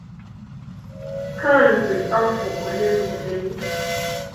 Kambge afọ ole n’ole